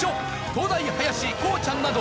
東大林こうちゃんなど。